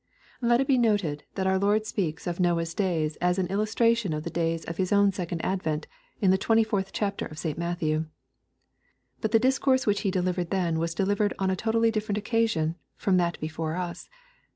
Let it be noted, that our Lord speaks of Noah's days as an illus tration of the days of His own second advent, in the 24th chapter of St. Matthew. But the discourse which He delivered then was delivered on a totally different occasion from that before us.